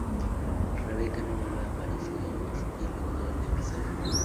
Rebecca no vuelve a aparecer en la serie luego de este episodio.